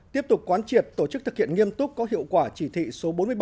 tiếp tục quán triệt tổ chức thực hiện nghiêm túc có hiệu quả chỉ thị số bốn mươi bảy